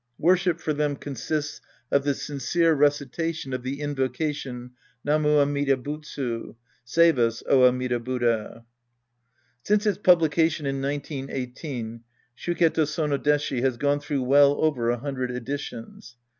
Worship for them consists of the sincere recitation of the invocation Namu Amida Butsu, " Save us, oh Amida •Buddha!"' ' Since its publication in 1918, Shukke to Sono Deshi has gone through well over a hundred editions.